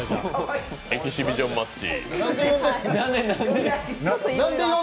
エキシビションマッチ。